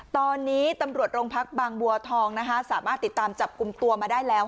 ตอนนี้ตำรวจโรงพักบางบัวทองนะคะสามารถติดตามจับกลุ่มตัวมาได้แล้ว